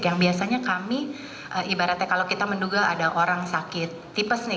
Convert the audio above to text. yang biasanya kami ibaratnya kalau kita menduga ada orang sakit tipes nih